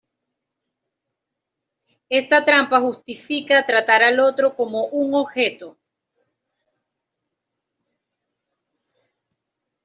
Esta trampa justifica tratar al otro como un objeto.